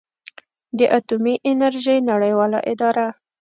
د اټومي انرژۍ نړیواله اداره